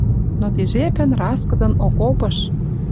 Но ти жепӹн раскыдын окопыш